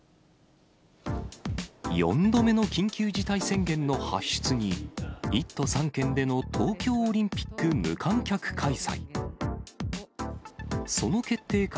４度目の緊急事態宣言の発出に、１都３県での東京オリンピック無観客開催。